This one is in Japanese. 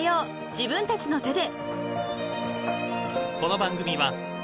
自分たちの手で］